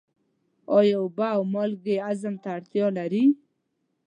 آیا اوبه او مالګې هضم ته اړتیا لري؟